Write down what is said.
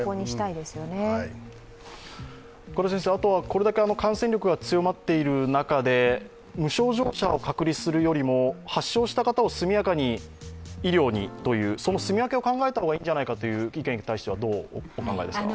あとはこれだけ感染力が強まっている中で無症状者を隔離するよりも、発症した方を速やかに医療にという、そのすみ分けを考えた方がいいんじゃないかという意見に対してはどうお考えですか。